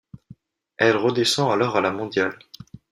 Elle redescend alors à la mondiale.